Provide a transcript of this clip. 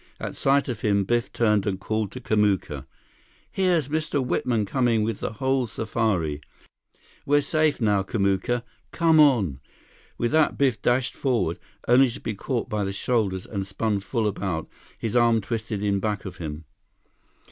At sight of him, Biff turned and called to Kamuka: "Here's Mr. Whitman coming with the whole safari! We're safe now, Kamuka! Come on!" With that, Biff dashed forward, only to be caught by the shoulders and spun full about, his arm twisted in back of him.